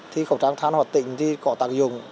thì khẩu trang than hoạt tích thì có tạng dùng